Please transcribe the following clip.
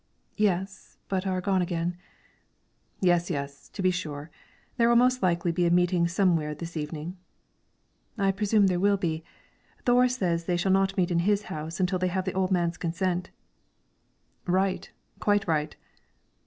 "Yes; but are gone again." "Yes, yes, to be sure; there will most likely be a meeting somewhere this evening." "I presume there will be. Thore says they shall not meet in his house until they have the old man's consent." "Right, quite right."